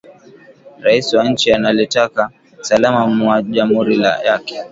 Raisi wa inchi ana letaka salama mu jamuri yake